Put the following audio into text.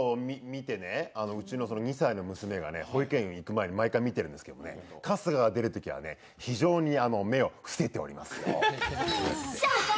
見て、うちの２歳の娘がね、保育園行く前に毎回見てるんですけど、春日が出るときは非常に目を伏せております。